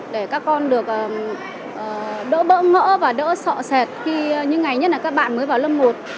để các con được đỡ bỡ ngỡ và đỡ sọ x khi như ngày nhất là các bạn mới vào lớp một